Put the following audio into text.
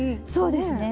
そうですね